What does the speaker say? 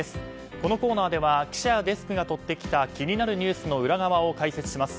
このコーナーでは記者やデスクがとってきた気になるニュースの裏側を開設します。